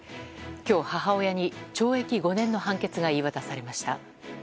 今日、母親に懲役５年の判決が言い渡されました。